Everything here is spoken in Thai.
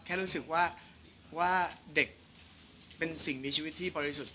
แค่รู้สึกว่าว่าเด็กเป็นสิ่งมีชีวิตที่บริสุทธิ์